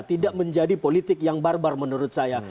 tidak menjadi politik yang barbar menurut saya